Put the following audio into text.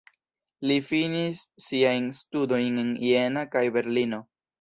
Li finis siajn studojn en Jena kaj Berlino.